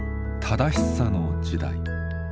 「正しさ」の時代。